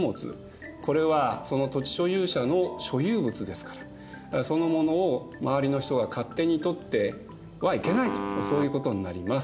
これはその土地所有者の所有物ですからそのものを周りの人が勝手に取ってはいけないとそういうことになります。